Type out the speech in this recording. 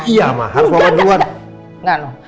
iya ma harus mama duluan enggak enggak